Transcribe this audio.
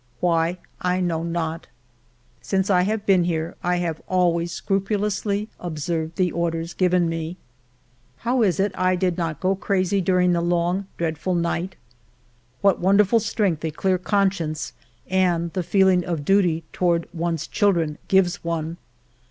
Why, I know not. Since I have been here, I have always scrupu lously observed the orders given me. 212 FIVE YEARS OF MY LIFE How is it I did not go crazy during the long, dreadful night ? What wonderful strength a clear conscience and the feeling of duty toward one's children gives one